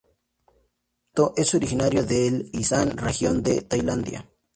El plato es originario de el Isan región de Tailandia.